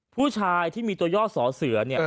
ผู้ชายที่มีตัวย่อสอเสือเนี่ย